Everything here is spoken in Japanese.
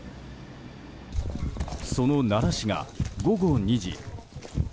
その奈良市が午後２時。